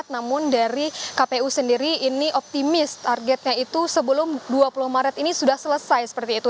namun dari kpu sendiri ini optimis targetnya itu sebelum dua puluh maret ini sudah selesai seperti itu